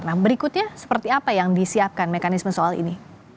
nah berikutnya seperti apa yang disiapkan mekanisme soal ini